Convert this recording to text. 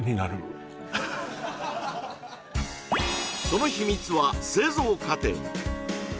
その秘密は製造過程に！